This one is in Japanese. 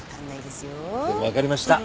でも分かりました。